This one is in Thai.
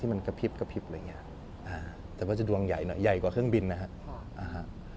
มันกระพริบกระพริบอะไรอย่างเงี้ยแต่ว่าจะดวงใหญ่หน่อยใหญ่กว่าเครื่องบินนะฮะ